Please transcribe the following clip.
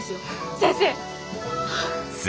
先生。